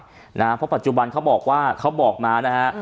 เพราะปัจจุบันเขาบอกว่าเขาบอกมานะฮะ